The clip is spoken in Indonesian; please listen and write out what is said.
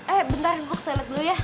eh bentar gue ke toilet dulu ya